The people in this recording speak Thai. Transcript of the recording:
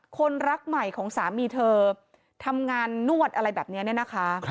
คนรักใหม่ของสามีเธอทำงานนวดอะไรแบบนี้เนี่ยนะคะ